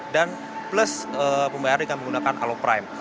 dan plus pembayar dengan menggunakan aloprime